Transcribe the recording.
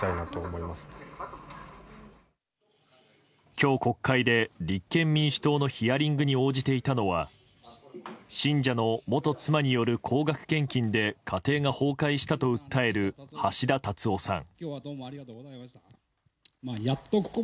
今日、国会で立憲民主党のヒアリングに応じていたのは信者の元妻による高額献金で家庭が崩壊したと訴える橋田達夫さん。